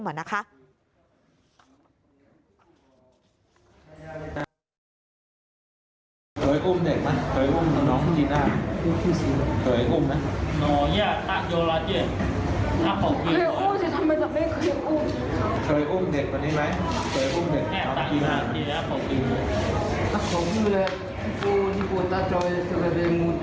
เมื่อก่อนพี่ก็ไม่ได้อยู่บ้านตลอด